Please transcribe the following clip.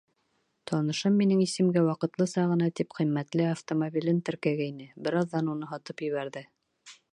Танышым минең исемгә, ваҡытлыса ғына тип, ҡиммәтле автомобилен теркәгәйне, бер аҙҙан уны һатып ебәрҙе.